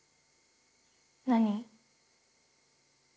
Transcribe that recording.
何？